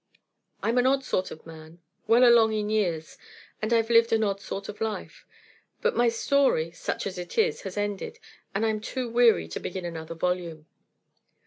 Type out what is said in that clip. I'm an odd sort of man, well along in years, and I've lived an odd sort of life. But my story, such as it is, has ended, and I'm too weary to begin another volume."